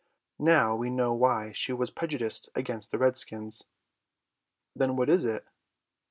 Now we know why she was prejudiced against the redskins. "Then what is it?"